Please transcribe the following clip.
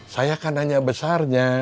saya kan nanya besarnya